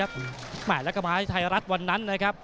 และก็มาที่ไทยรัฐวันนั้น